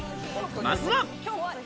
まずは。